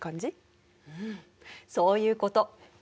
うんそういうこと。